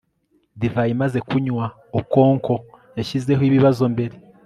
divayi imaze kunywa, okonkwo yashyizeho ibibazo mbere